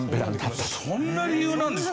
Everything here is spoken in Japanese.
そんな理由なんですか？